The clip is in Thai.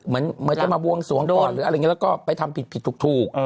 แล้วไปทำผิดถูก